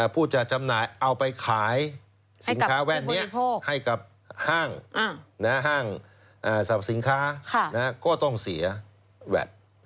ผู้จัดจำหน่ายเอาไปขายสินค้าแว่นนี้ให้กับห้างห้างสรรพสินค้าก็ต้องเสียแวด